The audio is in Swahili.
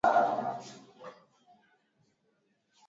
mkataba wa kuzuia ualifu wa mauaji ya kimbari ulikamilika